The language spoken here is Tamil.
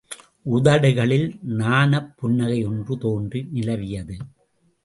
உதடுகளில் நாணப் புன்னகை ஒன்று தோன்றி நிலவியது.